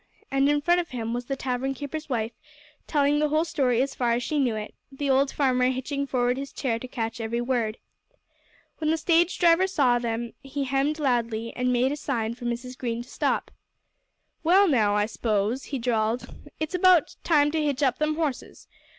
And in front of him was the tavern keeper's wife, telling the whole story as far as she knew it, the old farmer hitching forward his chair to catch every word. When the stage driver saw them, he hemmed loudly, and made a sign for Mrs. Green to stop. "Well, now, I s'pose," he drawled, "it's about time to hitch up them horses.